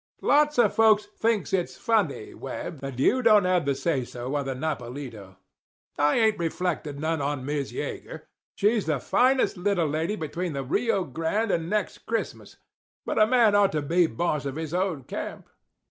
Lots of folks thinks it's funny, Webb, that you don't have the say so on the Nopalito. I ain't reflectin' none on Miz Yeager—she's the finest little lady between the Rio Grande and next Christmas—but a man ought to be boss of his own camp."